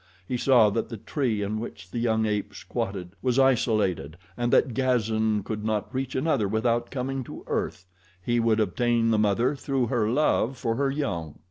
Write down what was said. He saw that the tree in which the young ape squatted was isolated and that Gazan could not reach another without coming to earth. He would obtain the mother through her love for her young.